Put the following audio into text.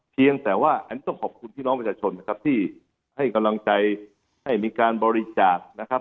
เพียงแต่ว่าอันนี้ต้องขอบคุณพี่น้องประชาชนนะครับที่ให้กำลังใจให้มีการบริจาคนะครับ